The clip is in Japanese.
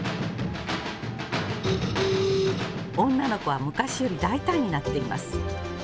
「女の子は昔より大胆になっています。